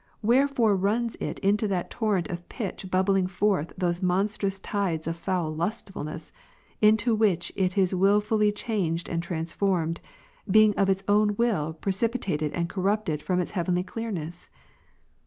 wherefore runs it into that'Horrent of pitch bubbling forth those monstrous tides of foul lustfulness, into which it is wilfully changed and transformed, being of its own will preci pitated and corrupted from its heavenly clearness